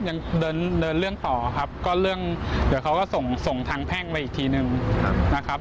ยังเดินเรื่องต่อครับก็เรื่องเดี๋ยวเขาก็ส่งส่งทางแพ่งมาอีกทีนึงนะครับ